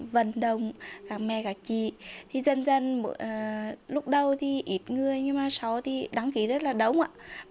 vận động các mẹ các chị thì dần dần lúc đầu thì ít người nhưng mà sau thì đăng ký rất là đông ạ